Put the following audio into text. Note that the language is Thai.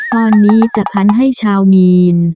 ตอนนี้จะพันให้ชาวมีน